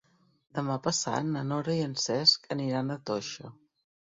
Demà passat na Nora i en Cesc aniran a Toixa.